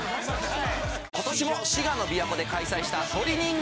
今年も滋賀の琵琶湖で開催した。